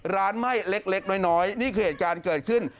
ไหม้เล็กน้อยนี่คือเหตุการณ์เกิดขึ้น